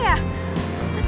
aku kayak kempes lagi